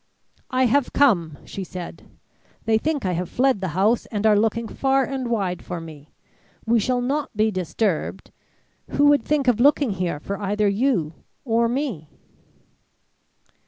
"'I have come!' she said. 'They think I have fled the house and are looking far and wide for me. We shall not be disturbed. Who would think of looking here for either you or me?'